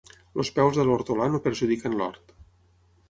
Els peus de l'hortolà no perjudiquen l'hort.